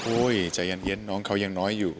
ใจเย็นน้องเขายังน้อยอยู่